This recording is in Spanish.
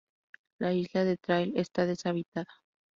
La isla de Traill está deshabitada.